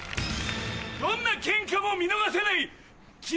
どんなケンカも見逃せない！